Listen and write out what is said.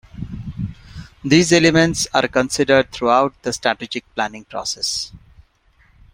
These elements are considered throughout the strategic planning process.